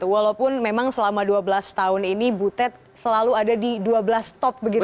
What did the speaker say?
walaupun memang selama dua belas tahun ini butet selalu ada di dua belas top begitu